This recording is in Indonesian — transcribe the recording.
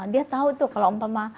dia tahu tuh kalau